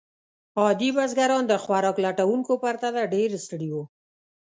عادي بزګران د خوراک لټونکو پرتله ډېر ستړي وو.